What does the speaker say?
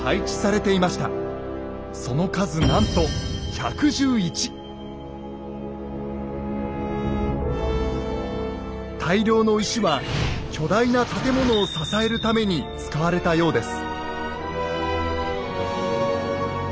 その数なんと大量の石は巨大な建物を支えるために使われたようです。